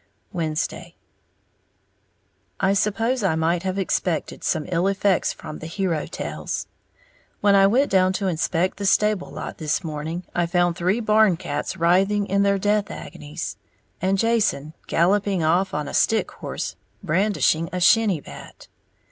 Wednesday. I suppose I might have expected some ill effects from the hero tales. When I went down to inspect the stable lot this morning, I found three barn cats writhing in their death agonies, and Jason galloping off on a stick horse, brandishing a shinny bat.